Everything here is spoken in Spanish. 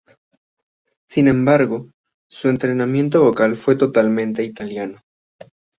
Sin embargo, su entrenamiento vocal fue totalmente italiano.